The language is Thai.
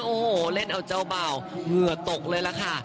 โอ้โหเล่นเอาเจ้าเบ่าเหงื่อตกเลยล่ะค่ะ